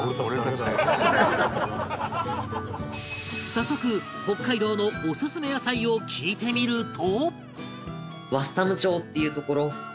早速北海道のオススメ野菜を聞いてみると